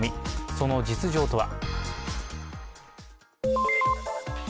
その実情とは。